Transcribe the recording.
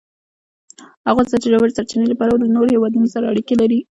افغانستان د ژورې سرچینې له پلوه له نورو هېوادونو سره اړیکې لري.